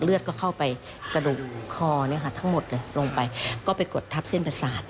เลือดก็เข้าไปกระดูกคอทั้งหมดเลยลงไปก็ไปกดทับเส้นประสาท